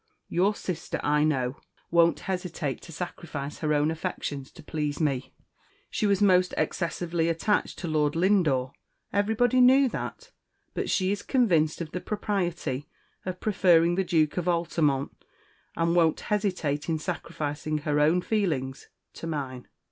Your sister, I know, won't hesitate to sacrifice her own affections to please me. She was most excessively attached to Lord Lindore everybody knew that; but she is convinced of the propriety of preferring the Duke of Altamont, and won't hesitate in sacrificing her own feelings to mine.